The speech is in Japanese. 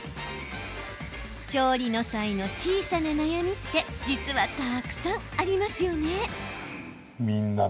調理の際の小さな悩みって実は、たくさんありますよね。